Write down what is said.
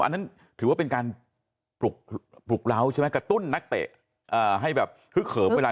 อันนั้นถือว่าเป็นการปลุกเล้าใช่ไหมกระตุ้นนักเตะให้แบบฮึกเขิมเวลา